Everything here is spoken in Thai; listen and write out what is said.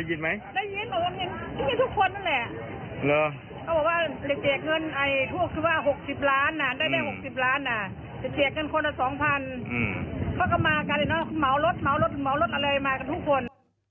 หมัวลดหมัวลดหมัวลดอะไรมากันทุกคน